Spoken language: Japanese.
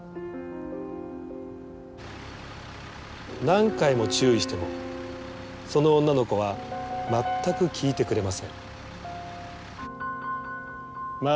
何回も注意してもその女の子は全く聞いてくれません。